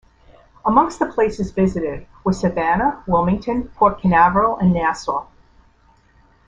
Amongst the places visited were Savannah, Wilmington, Port Canaveral and Nassau.